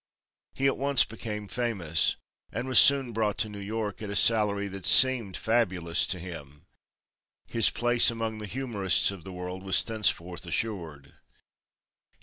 He at once became famous, and was soon brought to New York, at a salary that seemed fabulous to him. His place among the humorists of the world was thenceforth assured.